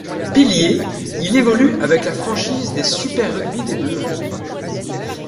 Pilier, il évolue avec la franchise de Super Rugby des Blues.